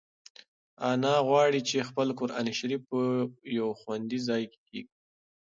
انا غواړي چې خپل قرانشریف په یو خوندي ځای کې کېږدي.